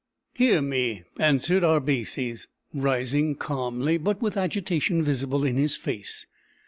] "Hear me," answered Arbaces, rising calmly, but with agitation visible in his face.